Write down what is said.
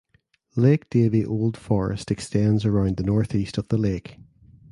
Lake Davy Old Forest extends around the northeast of the lake.